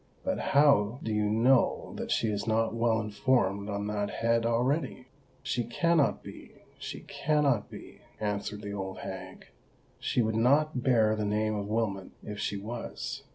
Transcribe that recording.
"But how do you know that she is not well informed on that head already?" "She cannot be—she cannot be," answered the old hag; "she would not bear the name of Wilmot if she was.